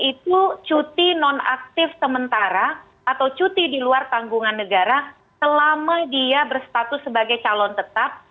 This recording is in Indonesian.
itu cuti non aktif sementara atau cuti di luar tanggungan negara selama dia berstatus sebagai calon tetap